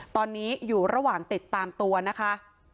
ตอนนี้อยู่ระหว่างติดตามตัวนะคะ